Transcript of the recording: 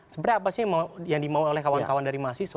sebenarnya apa sih yang dimau oleh kawan kawan dari mahasiswa